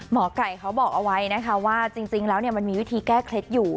หมอไก่เขาบอกเอาไว้นะคะว่าจริงแล้วมันมีวิธีแก้เคล็ดอยู่